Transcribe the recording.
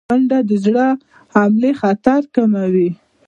منډه د زړه د حملې خطر کموي